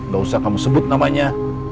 gak usah kamu sebut namanya